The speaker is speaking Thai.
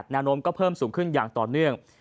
แนวโน้มก็เพิ่มสูงขึ้นอย่างต่อเนื่อง